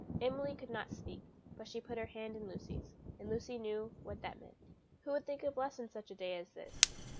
Emily could not speak, but she put her hand in Lucy's, and Lucy knew what that meant. Who could think of lessons such a day as this?